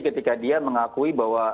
ketika dia mengakui bahwa